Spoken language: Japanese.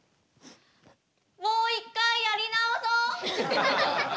もう一回やり直そう！